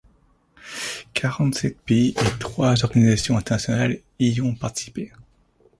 Quarante-sept pays et trois organisations internationales y ont participé.